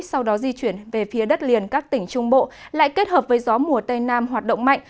sau đó di chuyển về phía đất liền các tỉnh trung bộ lại kết hợp với gió mùa tây nam hoạt động mạnh